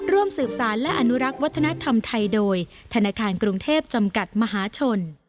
ร่วมสืบสารและอนุรักษ์วัฒนธรรมไทยโดยธนาคารกรุงเทพจำกัดมหาชน